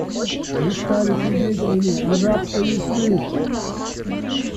Мы стали свидетелями «арабской весны».